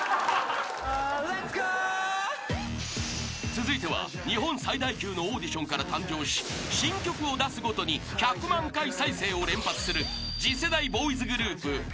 ［続いては日本最大級のオーディションから誕生し新曲を出すごとに１００万回再生を連発する］